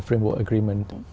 trong phương pháp phương pháp